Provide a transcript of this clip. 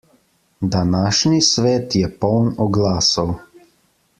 Današnji svet je poln oglasov.